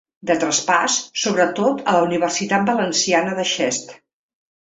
De traspàs, sobretot a la universitat valenciana de Xest.